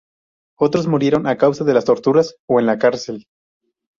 Otros murieron a causa de las torturas o en la cárcel.